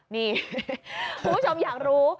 นี่คุณผู้ชมอยากรู้